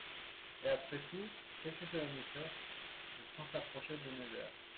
Et après tout, qu'est-ce que cela nous fait ? Le train s'approchait de Nevers.